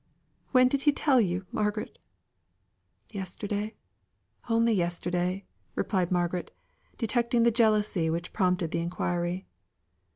"When did he tell you, Margaret?" "Yesterday, only yesterday," replied Margaret, detecting the jealousy which prompted the inquiry.